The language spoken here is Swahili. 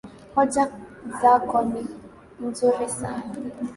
Hoja zako ni nzuri sana